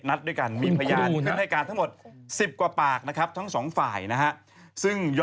ขณะตอนอยู่ในสารนั้นไม่ได้พูดคุยกับครูปรีชาเลย